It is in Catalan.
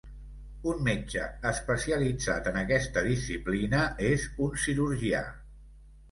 Un metge especialitzat en aquesta disciplina és un cirurgià.